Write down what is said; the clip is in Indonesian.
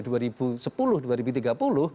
kita bisa melihat petanya